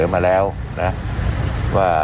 มาแล้วนะว่า